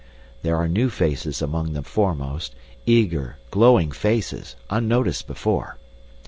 There are new faces among the foremost eager, glowing faces, unnoticed before.